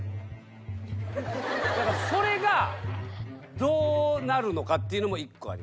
だからそれがどうなるのかっていうのも１個あります。